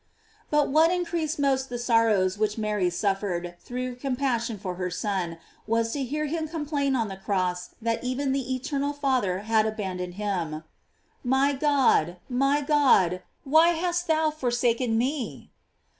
"T But what increased most the sorrows which Mary suffered through compassion for her Son, was to hear him complain on the cross that even the eternal Father had abandoned him: "My God, my God, why hast thou forsaken me?"